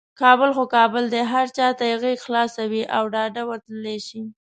کابل خو کابل دی، هر چاته یې غیږه خلاصه وي او ډاده ورتللی شي.